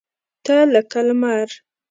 تۀ لکه لمر !